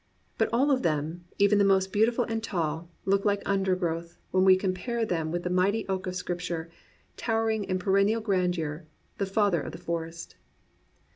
But all of them, even the most beautiful and tall, look like undergrowth, when we compare them with the mighty oak of Scripture, towering in perennial grandeur, the father of the forest.